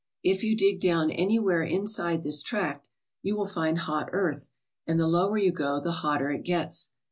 If you dig down anywhere inside this tract you will find hot earth, and the lower you go the hotter it gets.